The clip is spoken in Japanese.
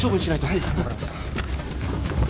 はい。